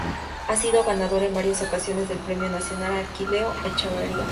Ha sido ganador en varias ocasiones del Premio Nacional Aquileo J. Echeverría.